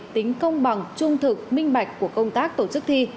tính công bằng trung thực minh bạch của công tác tổ chức thi